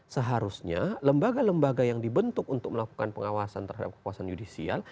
seharusnya lembaga lembaga yang dibentuk untuk melakukan pengawasan terhadap kekuasaan judisial